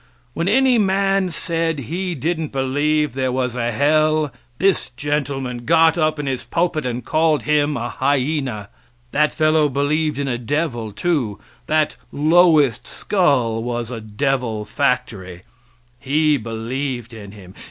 When any man said he didn't believe there was a hell this gentleman got up in his pulpit and called him a hyena. That fellow believed in a devil too; that lowest skull was a devil factory he believed in him.